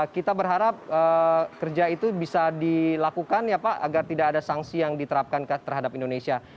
kita berharap kerja itu bisa dilakukan ya pak agar tidak ada sanksi yang diterapkan terhadap indonesia